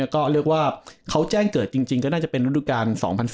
ก็เรียกว่าเขาแจ้งเกิดจริงก็น่าจะเป็นรูปรุการ๒๐๐๒๒๐๐๓